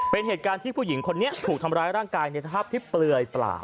เป็นเหตุการณ์ที่ผู้หญิงคนนี้ถูกทำร้ายร่างกายในสภาพที่เปลือยเปล่า